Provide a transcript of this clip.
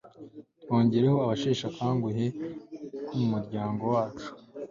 twongeraho abasheshe akanguhe bo mu muryango wacu